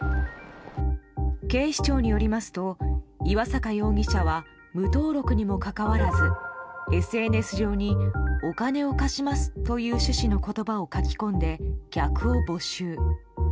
警視庁によりますと岩坂容疑者は無登録にもかかわらずＳＮＳ上にお金を貸しますという趣旨の言葉を書き込んで、客を募集。